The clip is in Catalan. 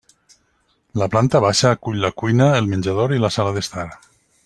La planta baixa acull la cuina, el menjador i sala d'estar.